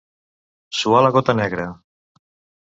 Suar la gota negra.